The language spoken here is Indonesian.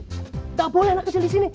tidak boleh anak kecil di sini